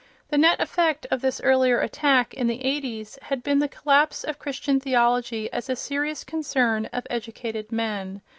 The net effect of this earlier attack, in the eighties, had been the collapse of Christian theology as a serious concern of educated men.